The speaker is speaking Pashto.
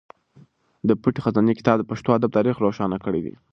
د پټې خزانې کتاب د پښتو ادب تاریخ روښانه کړی دی.